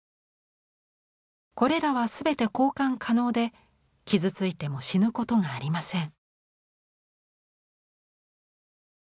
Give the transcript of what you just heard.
これらは全て交換可能で傷ついても死ぬことがありません。